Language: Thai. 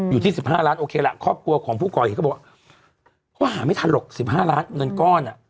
อยู่ที่๑๕ล้านโอเคล่ะครอบครัวของผู้ก่อเหตุเขาบอกเขาหาไม่ทันหรอก๑๕ล้านเงินก้อนอ่ะ